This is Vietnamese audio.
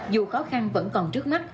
dù khó khăn vẫn còn trước mắt